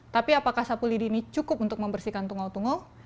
tapi apakah sapu lidi ini cukup untuk membersihkan tungau tungau